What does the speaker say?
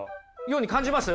ように感じます？